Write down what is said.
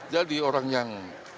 jadi orang yang